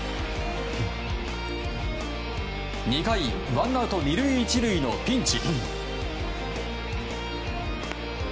２回、ワンアウト２塁１塁のピンチ。